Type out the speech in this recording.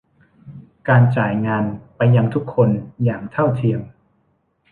การจ่ายงานไปยังทุกคนอย่างเท่าเทียม